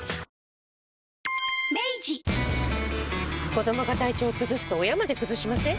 子どもが体調崩すと親まで崩しません？